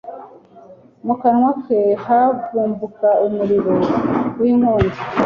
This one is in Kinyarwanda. mu kanwa ke havubuka umuriro w'inkongi